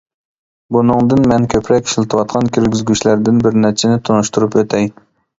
بۇنىڭدىن مەن كۆپرەك ئىشلىتىۋاتقان كىرگۈزگۈچلەردىن بىر نەچچىنى تونۇشتۇرۇپ ئۆتەي.